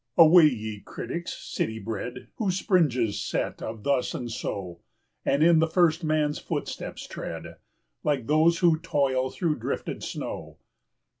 10 Away, ye critics, city bred, Who springes set of thus and so, And in the first man's footsteps tread, Like those who toil through drifted snow!